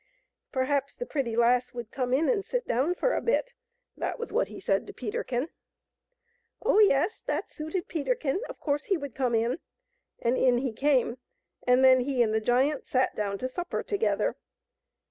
Perhaps the pretty lass would come in and sit down for a bit ; that was what he said to Peterkin. I^eterbfn w agtrl combis t\)t (BiMf^ ^ak Oh, yes! that suited Peterkin; of course he would come in. So in he came, and then he and the giant sat down to supper together.